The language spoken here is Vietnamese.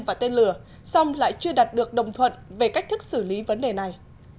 và tên lửa song lại chưa đạt được đồng thuận về cách thức xử lý vấn đề này